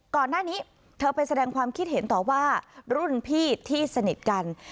ก่อนหน้านี้เธอไปแสดงความคิดเห็นต่อว่ารุ่นพี่ที่สนิทกัน